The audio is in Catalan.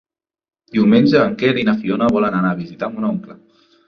Diumenge en Quer i na Fiona volen anar a visitar mon oncle.